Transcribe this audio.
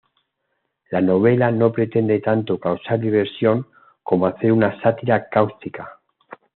La novela no pretende tanto causar diversión como hacer una sátira cáustica.